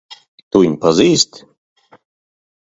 Tu viņu pazīsti?